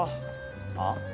あっ？